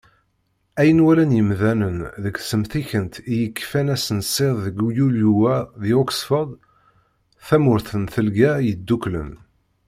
Ayen walan yimdanen deg temsikent i yekfan ass n sḍis deg yulyu-a, di Oxford, tamurt n Tgelda Yedduklen.